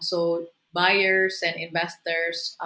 jadi pembeli dan investor